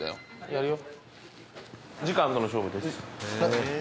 やるよ。